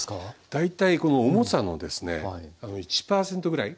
大体この重さのですね１％ぐらい。